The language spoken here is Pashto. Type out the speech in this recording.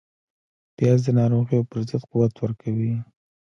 پیاز د ناروغیو پر ضد قوت ورکوي